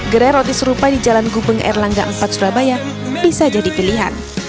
gerai roti serupa di jalan gubeng erlangga empat surabaya bisa jadi pilihan